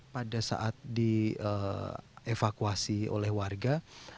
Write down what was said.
pada saat dievakuasi oleh warga